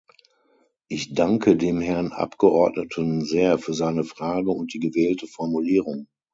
Ich danke dem Herrn Abgeordneten sehr für seine Frage und die gewählte Formulierung.